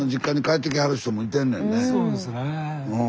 そうですね。